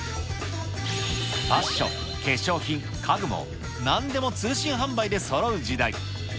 ファッション、化粧品、家具も、なんでも通信販売でそろう時代。